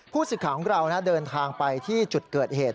ผู้ศึกขาของเรานะเดินทางไปที่จุดเกิดเหตุ